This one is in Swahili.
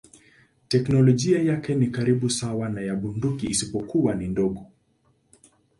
Teknolojia yake ni karibu sawa na ya bunduki isipokuwa ni ndogo.